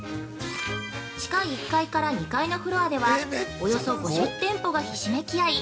地下１階から２階のフロアではおよそ５０店舗がひしめき合い